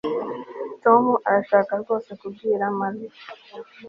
Tom arashaka rwose kubwira Mariya